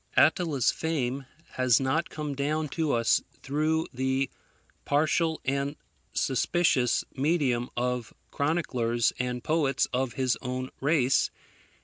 Attila's fame has not come down to us through the partial and suspicious medium of chroniclers and poets of his own race.